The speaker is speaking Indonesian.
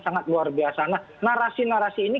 sangat luar biasa nah narasi narasi ini